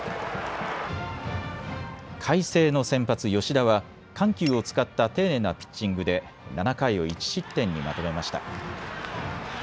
海星の先発、吉田は緩急を使った丁寧なピッチングで７回を１失点にまとめました。